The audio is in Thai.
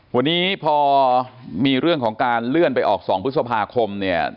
วันนี้พอมีเรื่องของการเลื่อนไปออก๒พฤษภาคมเนี่ย